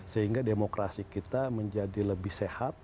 sehingga demokrasi kita menjadi lebih sehat